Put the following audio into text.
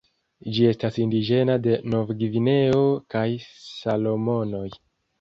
Ĝi estas indiĝena de Novgvineo kaj Salomonoj.